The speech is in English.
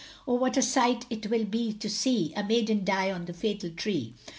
Oh what s sight it will be to see, A maiden die on the fatal tree.